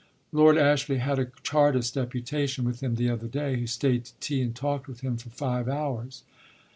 Lord Ashley had a Chartist deputation with him the other day, who stayed to tea and talked with him for five hours.